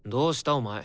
お前。